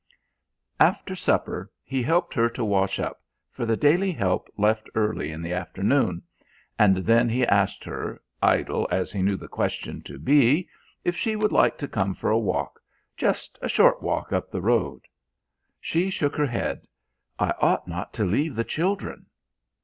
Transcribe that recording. After supper he helped her to wash up, for the daily help left early in the afternoon; and then he asked her, idle as he knew the question to be, if she would like to come for a walk just a short walk up the road. She shook her head. "I ought not to leave the children."